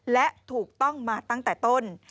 และถูกต้องมาตั้งแต่ต้น